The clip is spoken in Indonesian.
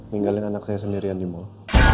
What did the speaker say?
tinggalin anak saya sendirian di mall